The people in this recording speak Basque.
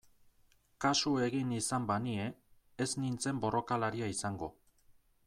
Kasu egin izan banie ez nintzen borrokalaria izango...